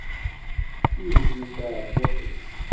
Tuzzel tɛebbuṭ-is